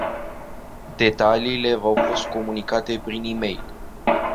Detaliile v-au fost comunicate prin e-mail.